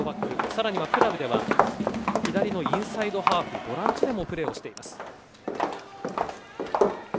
更にはクラブでは左のインサイドハーフボランチでもプレーしています。